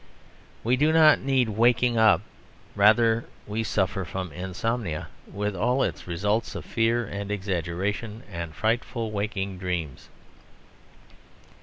We do not need waking up; rather we suffer from insomnia, with all its results of fear and exaggeration and frightful waking dreams.